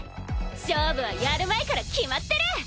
ショーブはやる前から決まってる！